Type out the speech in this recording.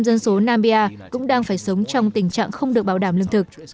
một mươi dân số nam bia cũng đang phải sống trong tình trạng không được bảo đảm lương thực